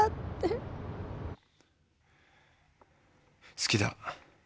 好きだ。